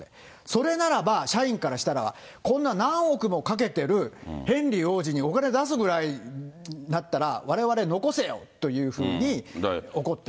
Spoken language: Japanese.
それならば、社員からしたら、こんな何億もかけてるヘンリー王子にお金出すぐらいだったら、われわれ残せよというふうに怒ってる。